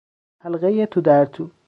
حلقهی تودرتو